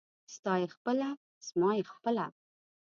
ستا يې خپله ، زما يې خپله.